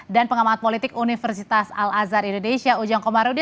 dan pengamat politik universitas al azhar indonesia ujang komarudi